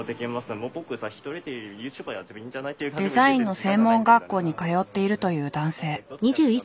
デザインの専門学校に通っているという男性。